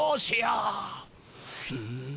うん。